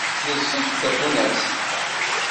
Yeẓẓeg-d tafunast.